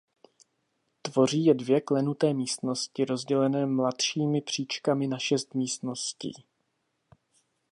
Tvoří je dvě klenuté místnosti rozdělené mladšími příčkami na šest místností.